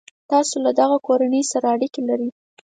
تاسي له دغه کورنۍ سره اړیکي لرئ.